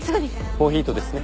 モヒートですね。